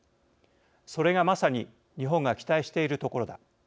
それがまさに日本が期待しているところだ。